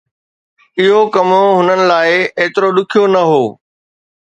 اهو ڪم هنن لاءِ ايترو ڏکيو نه هو.